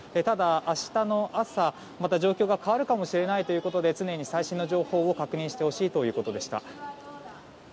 ただ明日の朝、また状況が変わるかもしれないということで常に最新の情報を確認してほしいということでした。